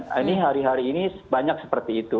jadi banyak seperti itu